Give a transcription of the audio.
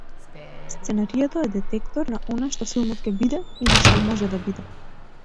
Сценариото е детектор на она што филмот ќе биде или што може да биде.